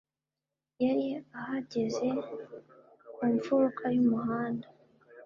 Yari ahagaze ku mfuruka y'umuhanda.